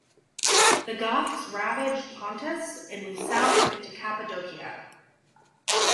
The Goths ravaged Pontus and moved south into Cappadocia.